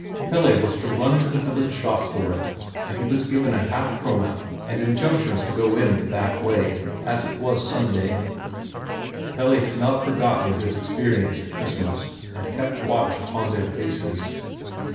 Pelle was to run to the village shop for it, and he was given a half krone and injunctions to go in the back way, as it was Sunday. Pelle had not forgotten his experience at Christmas, and kept watch upon their faces.